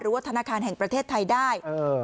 ว่าธนาคารแห่งประเทศไทยได้